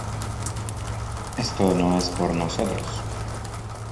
esto no es por nosotros,